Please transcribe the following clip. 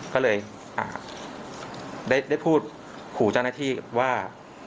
ก็เลยได้พูดขู่เจ้าหน้าที่ว่า